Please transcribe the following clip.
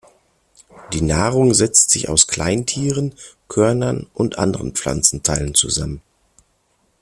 Die Nahrung setzt sich aus Kleintieren, Körnern und anderen Pflanzenteilen zusammen.